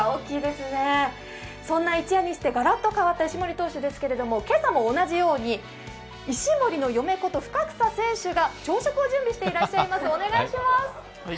一夜にしてガラッと変わった石森選手ですけど、今朝も同じように、石森の嫁こと深草選手が朝食を準備してらっしゃいます。